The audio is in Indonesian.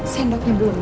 sendoknya belum ya